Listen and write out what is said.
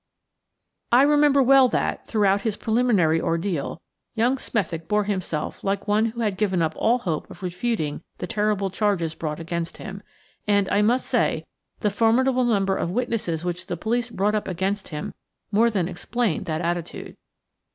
I remember well that, throughout his preliminary ordeal, young Smethick bore himself like one who had given up all hope of refuting the terrible charges brought against him, and, I must say, the formidable number of witnesses which the police brought up against him more than explained that attitude.